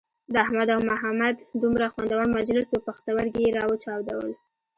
د احمد او محمد دومره خوندور مجلس وو پوښتورگي یې را وچاودل.